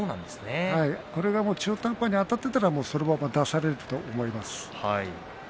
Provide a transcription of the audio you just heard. これが中途半端にあたっていたらそのまま出されていたと思います。